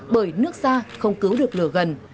bởi nước xa không cứu được lửa gần